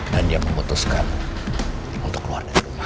dan dia memutuskan untuk keluar dari rumah